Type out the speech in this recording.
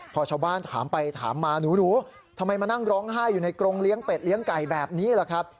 พอชาวบ้านถามไปถามมาหนูทำไมมานั่งร้องไห้อยู่ในกรงเลี้ยงเป็ดเลี้ยงไก่แบบนี้ล่ะครับ